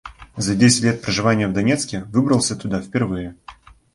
За десять лет проживания в Донецке выбрался туда впервые.